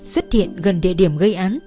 xuất hiện gần địa điểm gây án